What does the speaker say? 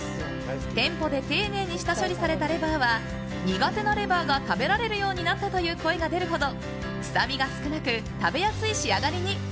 店舗で丁寧に下処理されたレバーは苦手なレバーが食べられるようになったという声が出るほど臭みが少なく食べやすい仕上がりに。